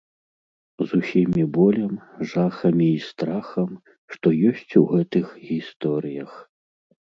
З усімі болем, жахамі і страхам, што ёсць у гэтых гісторыях.